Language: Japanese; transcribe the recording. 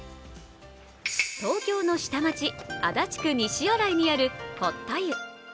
東京の下町・足立区西新井にある堀田湯。